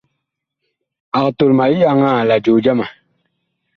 Ag tol ma liyaŋaa la joo jama.